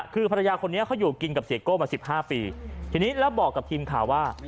คือภรรยาคนนี้เขาอยู่กินกับเสียโก้มาสิบห้าปีทีนี้แล้วบอกกับทีมข่าวว่า